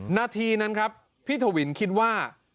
นาทีนั้นครับพี่ทวินคิดว่า